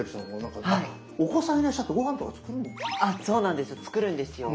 あそうなんですよ。